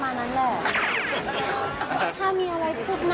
อ๋อนั่นยังไม่ควรแม้ว่าประถุงงานจริงมันต้องมีหรือเปล่า